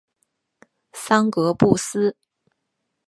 桑格布斯。